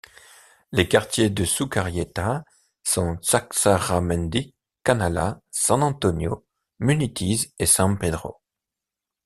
Les quartiers de Sukarrieta sont: Txatxarramendi, Kanala, San Antonio, Munitiz et San Pedro.